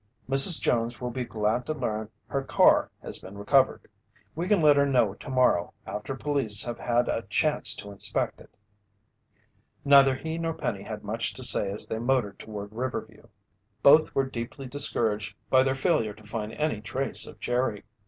"Mrs. Jones will be glad to learn her car has been recovered. We can let her know tomorrow after police have had a chance to inspect it." Neither he nor Penny had much to say as they motored toward Riverview. Both were deeply discouraged by their failure to find any trace of Jerry.